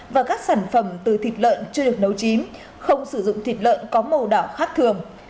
và các sản phẩm từ thịt lợn chưa được nấu chín không sử dụng thịt lợn có màu đỏ khác thường